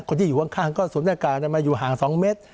คนที่อยู่ข้างก็สวนด้วยการอยู่ห่าง๒เมตร